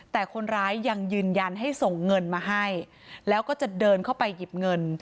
แต่คนร้ายยังยืนยันให้ส่งเงินมาให้แล้วก็จะเดินเข้าไปหยิบเงิน